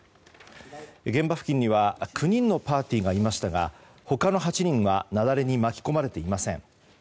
現場付近には９人のパーティーがいましたが他の８人は雪崩に巻き込まれていません。